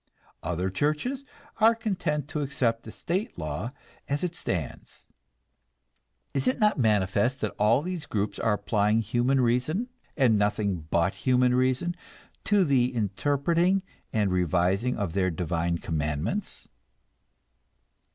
Other churches are content to accept the state law as it stands. Is it not manifest that all these groups are applying human reason, and nothing but human reason, to the interpreting and revising of their divine commandments?